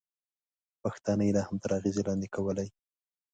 پښتانه یې هم تر اغېزې لاندې کولای.